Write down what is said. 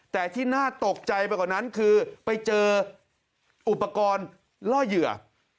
แต่ที่น่าตกใจไปกว่านั้นคือไปเจออุปกรณ์ล่อเหยื่อ